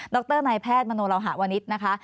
รนายแพทย์มโนลาวหะวนิษฐ์นะคะ